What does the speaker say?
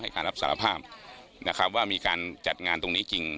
การรับสารภาพนะครับว่ามีการจัดงานตรงนี้จริง